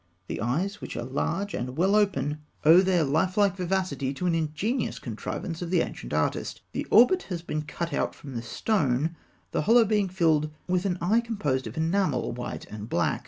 The eyes, which are large and well open, owe their lifelike vivacity to an ingenious contrivance of the ancient artist. The orbit has been cut out from the stone, the hollow being filled with an eye composed of enamel, white and black.